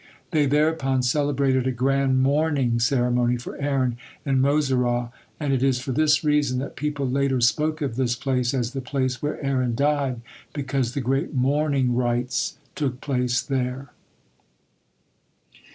They thereupon celebrated a grand mourning ceremony for Aaron in Moserah, and it is for this reason that people later spoke of this place as the place where Aaron died, because the great mourning rites took place there.